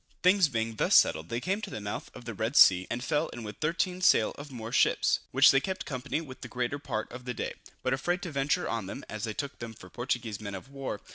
Things being thus settled, they came to the mouth of the Red Sea, and fell in with 13 sail of Moor ships, which they kept company with the greater part of the day, but afraid to venture on them, as they took them for Portuguese men of war.